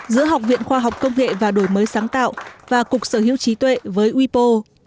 giữa học viện khoa học công nghệ và đổi mới sáng tạo và cục sở hữu trí tuệ với wipo